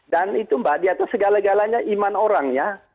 dan itu mbak di atas segala galanya iman orang ya